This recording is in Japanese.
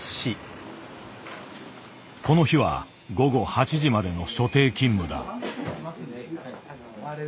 この日は午後８時までの所定勤務だ。